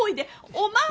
おまんは！